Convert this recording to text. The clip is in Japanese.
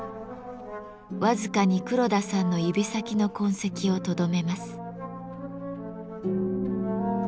僅かに黒田さんの指先の痕跡をとどめます。